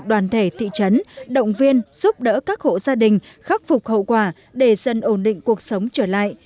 đoàn thể thị trấn động viên giúp đỡ các hộ gia đình khắc phục hậu quả để dân ổn định cuộc sống trở lại